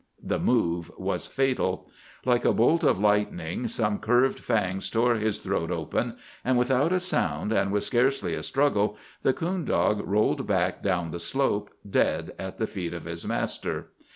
The move was fatal. Like a bolt of lightning some curved fangs tore his throat open, and without a sound and with scarcely a struggle the coon dog rolled back down the slope, dead at the feet of his master.